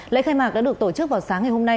lễ khai mạc đã được tổ chức vào sáng ngày hôm nay